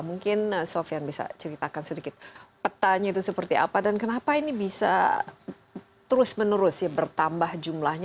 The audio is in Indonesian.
mungkin sofian bisa ceritakan sedikit petanya itu seperti apa dan kenapa ini bisa terus menerus ya bertambah jumlahnya